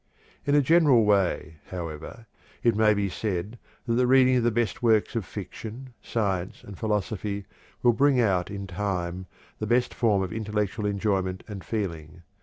In a general way, however, it may be said that the reading of the best works of fiction, science, and philosophy will bring out in time the best form of intellectual enjoyment and feeling.